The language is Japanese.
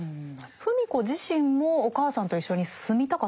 芙美子自身もお母さんと一緒に住みたかったんでしょうか？